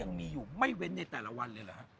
ยังอยู่ไม่เว้นใต้แต่ละวันเลยหรือครับ